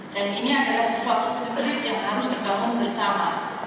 dan ini adalah sesuatu yang harus terbangun bersama